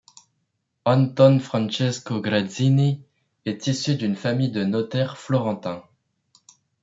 Anton Francesco Grazzini est issu d'une famille de notaires florentins.